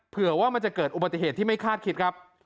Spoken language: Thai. เผื่อว่ามันจะเกิดอุบัติเหตุที่ไม่คาดคิดครับ